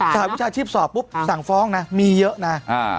หวิชาชีพสอบปุ๊บสั่งฟ้องนะมีเยอะนะ